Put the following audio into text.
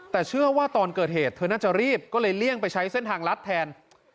แต่เชื่อว่าตอนเกิดเหตุเธอน่าจะรีบก็เลยเลี่ยงไปใช้เส้นทางลัดแทน